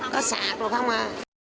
có sạc rồi không à